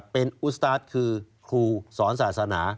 เป็นอุสตาร์ทคือครูสอนศาสนา